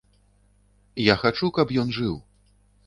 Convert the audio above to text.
Я хачу, каб ён жыў.